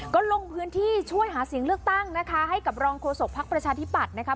ก็ลงพื้นที่ช่วยหาเสียงเลือกตั้งนะคะให้กับรองโฆษกภักดิ์ประชาธิปัตย์นะคะ